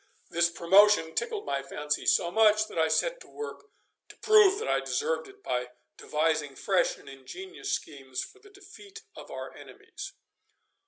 This promotion tickled my fancy so much, that I set to work to prove that I deserved it by devising fresh and ingenious schemes for the defeat of our enemies.